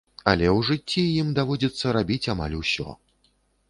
Але ў жыцці ім даводзіцца рабіць амаль усё.